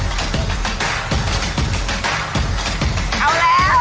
อยู่ในนั้น